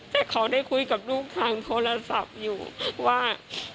แต่เขาได้คุยกับลูกทางโทรศัพท์อยู่ว่า